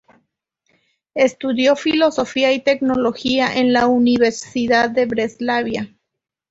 Estudió Filosofía y Teología en la Universidad de Breslavia.